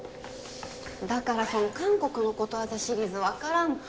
だからその韓国のことわざシリーズ分からんて。